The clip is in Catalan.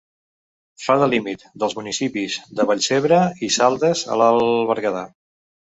Fa de límit dels municipis de Vallcebre i Saldes a l'Alt Berguedà.